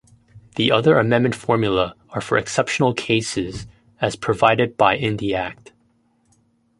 The other amendment formulae are for exceptional cases as provided by in the act.